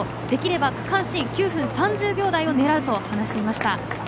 できれば区間新９分３０秒台を狙うと話していました。